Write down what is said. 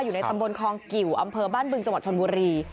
อยู่ในตำบลคลองกิวอำเภอบ้านบึงจังหวัดชนบุรี